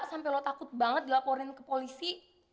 sampai lo takut banget dilaporin ke polisi